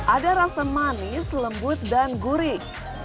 ada rasa manis lembut dan gurih